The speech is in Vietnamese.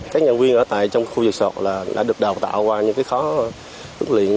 các nhà nguyên ở trong khu resort đã được đào tạo qua những khó tức luyện